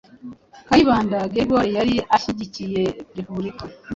Kayibanda Grégoire yari ashyigikiye Repubulika,